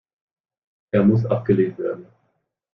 Er muss abgelehnt werden.